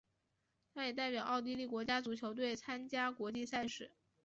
他也代表奥地利国家足球队参加国际赛事。